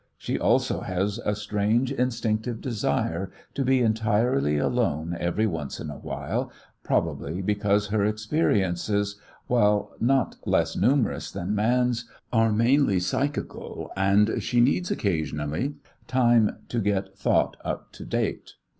She also has a strange instinctive desire to be entirely alone every once in a while, probably because her experiences, while not less numerous than man's, are mainly psychical, and she needs occasionally time to get "thought up to date."